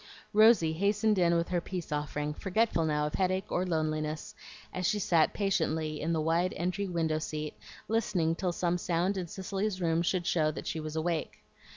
Rosy hastened in with her peace offering, forgetful now of headache or loneliness as she sat patiently in the wide entry window seat listening till some sound in Cicely's room should show that she was awake.